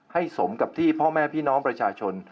สมกับที่พ่อแม่พี่น้องประชาชน